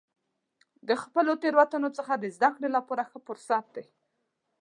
د خپلو تیروتنو څخه د زده کړې لپاره ښه فرصت دی.